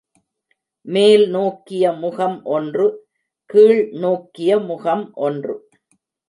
மேல் நோக்கிய முகம் ஒன்று, கீழ் நோக்கிய முகம் ஒன்று.